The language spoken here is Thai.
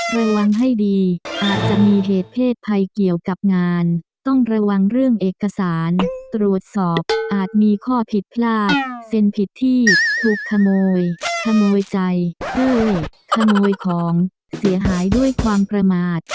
ระวังให้ดีอาจจะมีเหตุเพศภัยเกี่ยวกับงานต้องระวังเรื่องเอกสารตรวจสอบอาจมีข้อผิดพลาดเซ็นผิดที่ถูกขโมยขโมยใจขโมยของเสียหายด้วยความประมาท